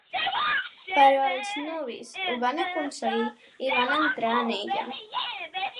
Però els nubis ho van aconseguir i van entrar en ella.